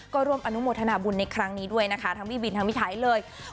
ก็ร่วมอนุโมทนาบุญในครั้งนี้ด้วยนะคะทั้งพี่บินทั้งพี่ไทยเลย